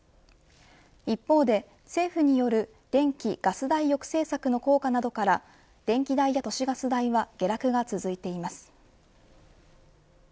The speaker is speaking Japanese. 一方で政府による電気・ガス代抑制策の効果などから電気代や都市ガス代は下落が続いています。